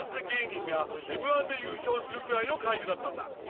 芸人がＭ−１で優勝するくらいの快挙だったんだ。